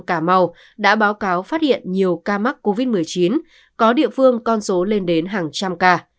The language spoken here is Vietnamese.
cà mau đã báo cáo phát hiện nhiều ca mắc covid một mươi chín có địa phương con số lên đến hàng trăm ca